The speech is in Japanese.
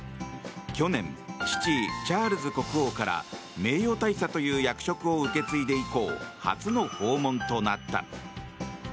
去年、父チャールズ国王から名誉大佐という役職を受け継いで以降初の訪問となった。